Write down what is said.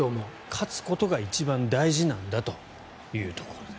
勝つことが一番大事なんだというところです。